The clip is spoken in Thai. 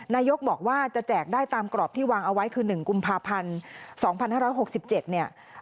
นายกบอกว่าจะแจกได้ตามกรอบที่วางเอาไว้คือ๑กุมภาพันธ์๒๕๖๗เนี่ย